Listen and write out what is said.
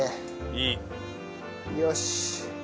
いい！よし。